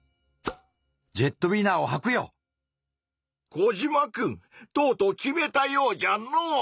コジマくんとうとう決めたようじゃの！